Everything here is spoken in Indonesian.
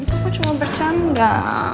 aku cuma bercanda